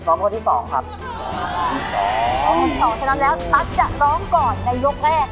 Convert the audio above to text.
ร้องคนที่๒ฉะนั้นนะครับตั๊กจะร้องก่อนในยกแรก